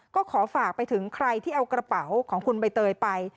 ก็ขอฝากไปถึงใครที่เอากระเป๋าของคุณใบเตยไป